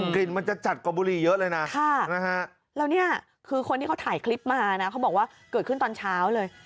กลิ่นมันจะจัดกว่าบุรีเยอะเลยนะแล้วเนี่ยคือคนที่เขาถ่ายคลิปมานะเขาบอกว่าเกิดขึ้นตอนเช้าเลย